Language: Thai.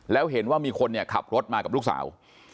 แล้วเห็นว่ามีคนเนี่ยขับรถมากับลูกสาว